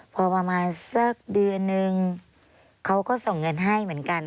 พอประมาณสักเดือนนึงเขาก็ส่งเงินให้เหมือนกัน